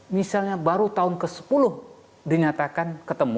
misalnya baru tahun ke sepuluh dinyatakan ketemu